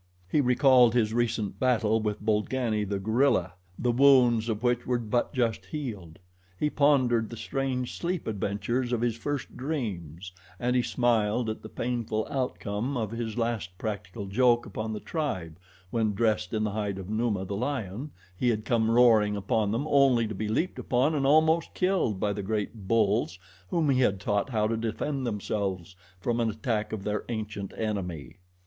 He recalled his recent battle with Bolgani, the gorilla, the wounds of which were but just healed. He pondered the strange sleep adventures of his first dreams, and he smiled at the painful outcome of his last practical joke upon the tribe, when, dressed in the hide of Numa, the lion, he had come roaring upon them, only to be leaped upon and almost killed by the great bulls whom he had taught how to defend themselves from an attack of their ancient enemy.